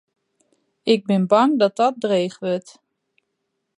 Ik bin bang dat dat dreech wurdt.